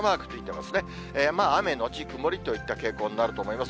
まあ、雨後曇りといった傾向になると思います。